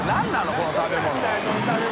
この食べ物。